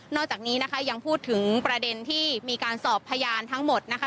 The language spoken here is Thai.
จากนี้นะคะยังพูดถึงประเด็นที่มีการสอบพยานทั้งหมดนะคะ